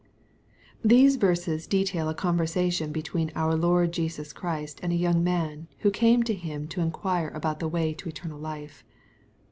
These verses detail a conversation between our Lord Jesus Christ and a young man, who came to Him to in quire about the way to eternal life.